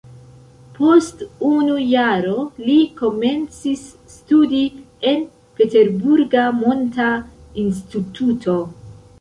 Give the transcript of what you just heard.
Post unu jaro li komencis studi en peterburga monta instituto.